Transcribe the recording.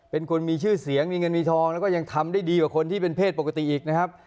เป็นคนมีชื่อเสียงมีเงินมีทองแล้วก็ยังทำได้ดีกว่าคนที่เป็นเพศปกติอีกนะครับ